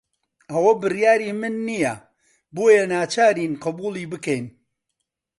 ئەوە بڕیاری من نییە، بۆیە ناچارین قبوڵی بکەین.